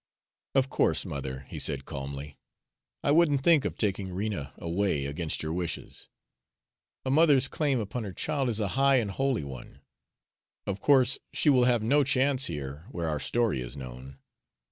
"Of course, mother," he said calmly, "I wouldn't think of taking Rena away against your wishes. A mother's claim upon her child is a high and holy one. Of course she will have no chance here, where our story is known.